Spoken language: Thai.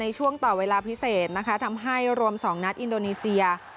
ช่วงต่อเวลาพิเศษนะคะทำให้รวม๒นัดอินโดนีเซีย